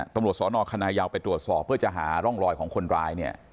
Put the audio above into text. ตำรวจสนคณะยาวไปตรวจสอบเพื่อจะหาร่องรอยของคนร้ายเนี่ย